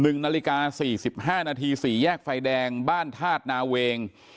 ๑นาฬิกา๔๕นาที๔แยกไฟแดงบ้านธาตุนาเวง